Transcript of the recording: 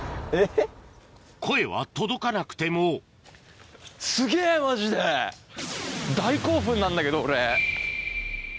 声は届かなくてもすげぇマジで大興奮なんだけど俺。